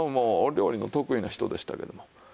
お料理の得意な人でしたけども。